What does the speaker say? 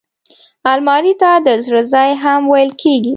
الماري ته د زړه ځای هم ویل کېږي